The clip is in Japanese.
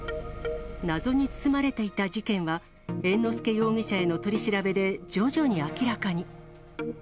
謎に包まれていた事件は、猿之助容疑者への取り調べで徐々に明らかに。